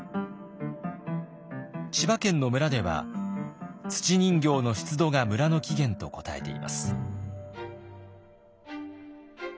千葉県の村では土人形の出土が村の起源と答えています。